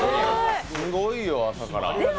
すごいよ、朝から。